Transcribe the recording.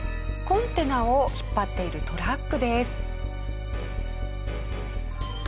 コンテナを引っ張っているトラックです。